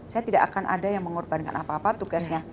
saya tidak akan ada yang mengorbankan apa apa tugasnya